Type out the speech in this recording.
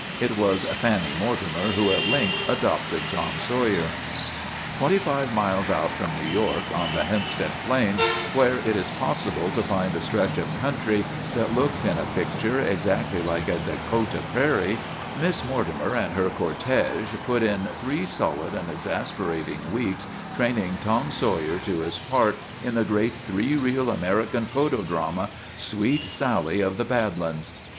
It was Fanny Mortimer who at length adopted Tom Saw yer. Twenty five miles out from New York on the Hempstead Plains, where it is possible to find a stretch of country that looks in a picture exactly like a Dakota prairie, Miss Mortimer and her cor tege put in three solid and exasperating weeks training Tom Sawyer to his part in the great three reel American photo drama, " Sweet Sally of the Bad Lands."